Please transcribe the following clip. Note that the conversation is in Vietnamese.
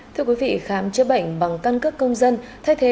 thưa quý vị khám chữa bệnh bằng căn cước công dân thay thế